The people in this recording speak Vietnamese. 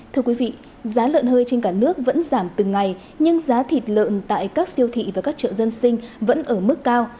thưa quý vị giá lợn hơi trên cả nước vẫn giảm từng ngày nhưng giá thịt lợn tại các siêu thị và các chợ dân sinh vẫn ở mức cao